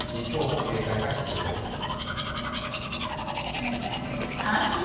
今日も警戒が必要です。